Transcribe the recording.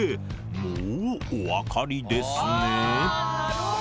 もうおわかりですね？